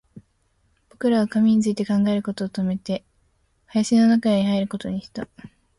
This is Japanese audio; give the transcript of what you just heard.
僕らは紙について考えることを止めて、林の中に入ることにした